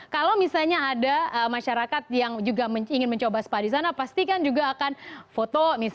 kalau misalnya ada masyarakat yang juga ingin mencoba spa disana pastikan juga akan foto misalnya sesuatu